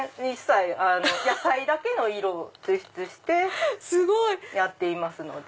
野菜だけの色を抽出してやっていますので。